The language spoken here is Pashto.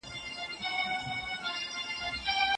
شرنګول مي غزلونه هغه نه یم